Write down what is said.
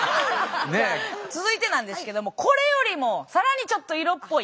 続いてなんですけどもこれよりも更にちょっと色っぽい。